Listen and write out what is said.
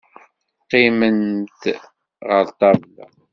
Qqimemt ɣer ṭṭabla.